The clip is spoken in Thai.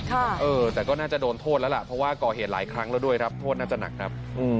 แต่ก็น่าจะโดนโทษแล้วล่ะเพราะว่าก่อเหตุหลายครั้งแล้วด้วยครับโทษน่าจะหนักครับ